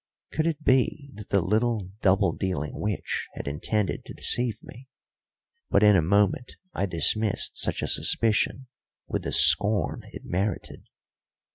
Could it be that the little double dealing witch had intended to deceive me? But in a moment I dismissed such a suspicion with the scorn it merited.